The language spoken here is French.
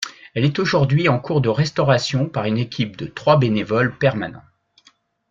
Elle est aujourd’hui en cours de restauration par une équipe de trois bénévoles permanents.